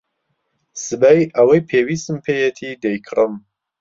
سبەی ئەوەی پێویستم پێیەتی دەیکڕم.